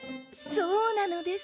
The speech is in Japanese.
そうなのです！